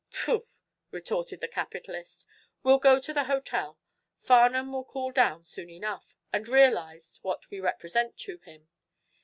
"Pooh!" retorted the capitalist. "We'll go to the hotel. Farnum will cool down soon enough, and realize what we represent to him.